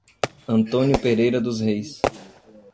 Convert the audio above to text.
Antônio Pereira dos Reis